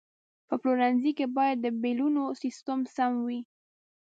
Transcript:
په پلورنځي کې باید د بیلونو سیستم سم وي.